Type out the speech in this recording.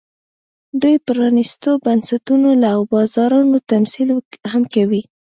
دوی د پرانېستو بنسټونو او بازارونو تمثیل هم کوي